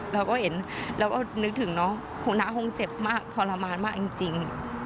เราก็เห็นเราก็นึกถึงเนอะน้าคงเจ็บมากทรมานมากจริง